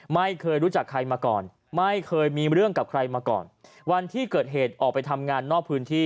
ไม่เคยรู้จักใครมาก่อนไม่เคยมีเรื่องกับใครมาก่อนวันที่เกิดเหตุออกไปทำงานนอกพื้นที่